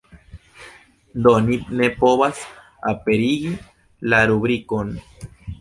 Do ni ne povas aperigi la rubrikon.